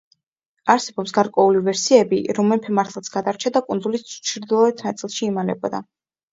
არსებობს გარკვეული ვერსიები, რომ მეფე მართლაც გადარჩა და კუნძულის ჩრდილოეთ ნაწილში იმალებოდა.